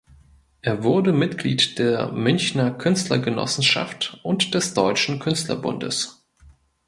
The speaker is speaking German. Er wurde Mitglied der Münchner Künstlergenossenschaft und des Deutschen Künstlerbundes.